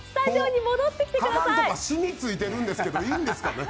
かばんとか、しみついてるんですけど、いいんですかね。